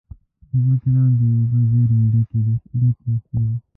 د ځمکې لاندې اوبو زیرمې ډکې شي.